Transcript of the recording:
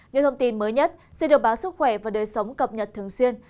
những thông tin mới nhất sẽ được báo sức khỏe và đời sống cập nhật thường xuyên